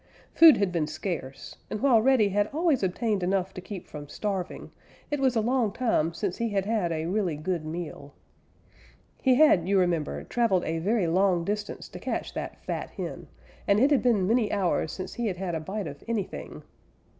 Food had been scarce, and while Reddy had always obtained enough to keep from starving, it was a long time since he had had a really good meal. He had, you remember, traveled a very long distance to catch that fat hen, and it had been many hours since he had had a bite of anything.